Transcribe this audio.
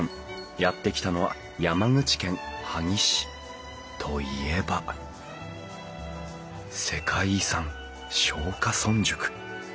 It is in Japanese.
やって来たのは山口県萩市。といえば世界遺産松下村塾！